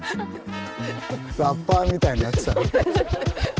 ラッパーみたいになってきたな。